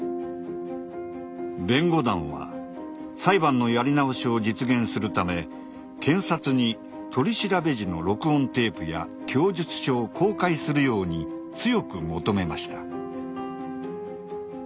弁護団は裁判のやり直しを実現するため検察に取り調べ時の録音テープや供述書を公開するように強く求めました。